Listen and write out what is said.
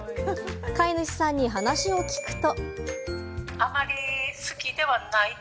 飼い主さんに話を聞くと。